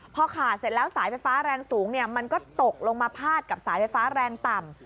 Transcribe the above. พอขาดเสร็จแล้วสายไฟฟ้าแรงสูงมันก็ตกลงมาพาดกับสายไฟฟ้าแรงต่ำ